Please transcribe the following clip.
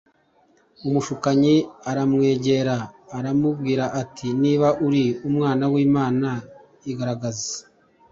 Umushukanyi aramwegera aramubwira ati “Niba uri Umwana w’Imana igaragaze